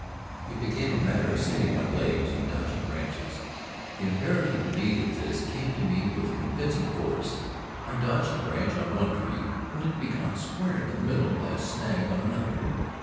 It became a matter of saving my legs and dodging branches. The imperative need of this came to me with convincing force. I dodged a branch on one tree, only to be caught square in the middle by a snag on another.